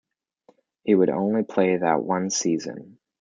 He would only play that one season.